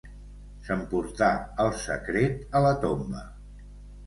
S'emportà el secret a la tomba!